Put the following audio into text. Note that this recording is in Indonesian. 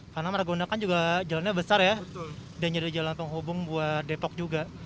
karena maragona kan juga jalannya besar ya dan jadi jalan penghubung buat depok juga